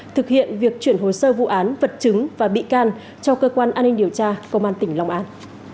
thực hiện việc chuyển hồ sơ vụ án vật chứng và bị can cho cơ quan an ninh điều tra công an tỉnh long an